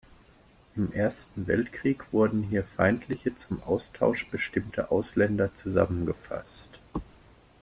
Im Ersten Weltkrieg wurden hier feindliche, zum Austausch bestimmte Ausländer zusammengefasst.